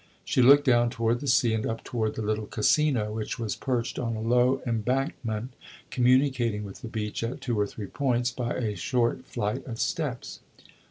She looked down toward the sea, and up toward the little Casino which was perched on a low embankment, communicating with the beach at two or three points by a short flight of steps.